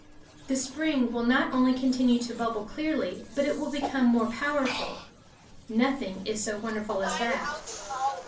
The spring will not only continue to bubble clearly but it will become more powerful. Nothing is so wonderful as that.